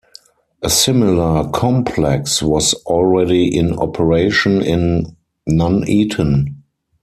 A similar complex was already in operation in Nuneaton.